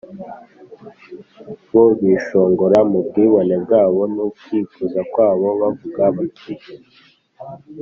bo bishongora mu bwibone bwabo n’ukwikuza kwabo, bavuga bati